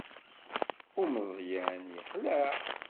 Umeẓyan, yexleɛ.